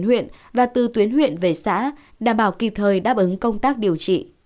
huyện và từ tuyến huyện về xã đảm bảo kịp thời đáp ứng công tác điều trị